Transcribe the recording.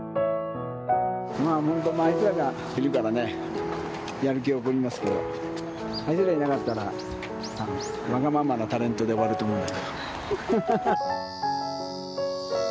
まあ本当、あいつらがいるからね、やる気が起こりますけど、あいつらいなかったら、わがままなタレントで終わると思うので。